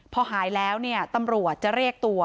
พอหายแล้วเนี่ยตำรวจจะเรียกตัว